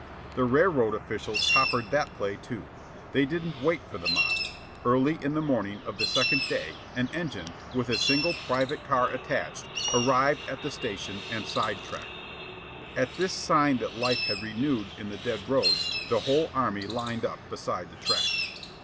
The railroad officials coppered that play, too. They didn't wait for the mob. Early in the morning of the second day, an engine, with a single private car attached, arrived at the station and side tracked. At this sign that life had renewed in the dead roads, the whole army lined up beside the track.